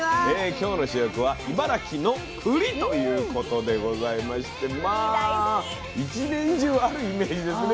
今日の主役は茨城のくりということでございましてまあ１年中あるイメージですね。